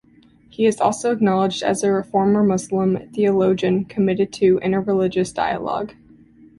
He also is acknowledged as a reformer Muslim theologian committed to interreligious dialogue.